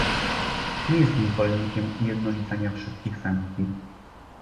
Nie jestem zwolennikiem ujednolicania wszystkich sankcji